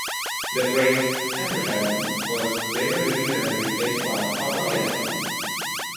The phrase "Sandwich Islands" was later deleted and replaced by "Hawaiian Islands".